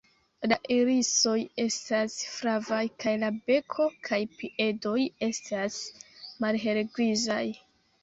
La irisoj estas flavaj kaj la beko kaj piedoj estas malhelgrizaj.